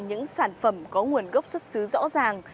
những sản phẩm có nguồn gốc xuất xứ rõ ràng